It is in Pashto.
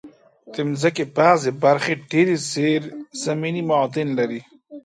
د مځکې بعضي برخې ډېر زېرزمینې معادن لري.